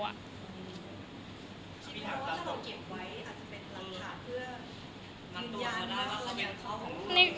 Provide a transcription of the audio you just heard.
หรือว่าถ้าเราเก็บไว้อาจจะเป็นรำขาด